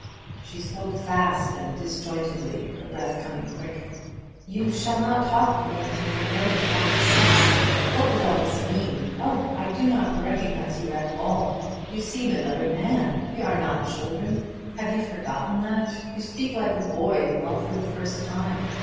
She spoke fast and disjointedly, her breath coming quick. "You shall not talk me into forgetting common sense. What does all this mean? Oh! I do not recognize you at all you seem another man. We are not children have you forgotten that? You speak like a boy in love for the first time.